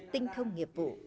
tinh thông nghiệp vụ